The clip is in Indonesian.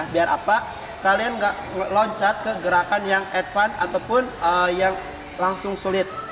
biar apa kalian nggak loncat ke gerakan yang advance ataupun yang langsung sulit